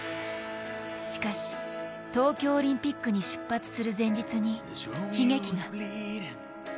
しかし、東京オリンピックに出発する前日に、悲劇が。